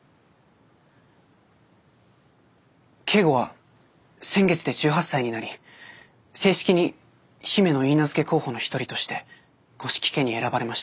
京吾は先月で１８歳になり正式に姫のいいなずけ候補の一人として五色家に選ばれました。